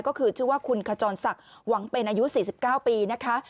ก็คือชื่อว่าคุณขจรศักดิ์หวังเป็นอายุ๔๙ปีนะคะ